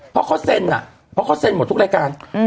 เพราะเขาเซ็นอ่ะเพราะเขาเซ็นหมดทุกรายการ